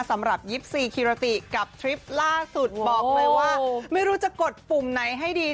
สำหรับ๒๔คิรติกับทริปล่าสุดบอกเลยว่าไม่รู้จะกดปุ่มไหนให้ดี